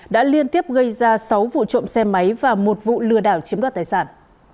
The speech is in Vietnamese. đã liên tiếp gây ra sáu vụ trộm xe máy và một vụ lừa đảo chiếm đoạt tài sản